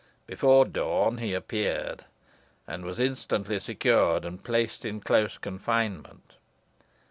Before dawn he appeared, and was instantly secured, and placed in close confinement.